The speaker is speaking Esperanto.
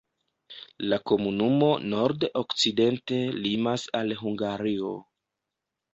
La komunumo nord-okcidente limas al Hungario.